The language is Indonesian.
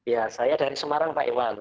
ya saya dari semarang pak iwan